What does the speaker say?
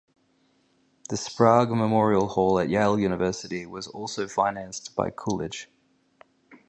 The Sprague Memorial Hall at Yale University was also financed by Coolidge.